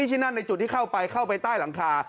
ที่นั่นในจุดที่เข้าไปเข้าไปใต้หลังคา